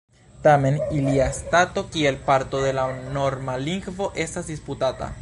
Tamen ilia stato kiel parto de la norma lingvo estas disputata.